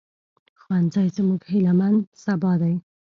ښوونځی زموږ هيلهمن سبا دی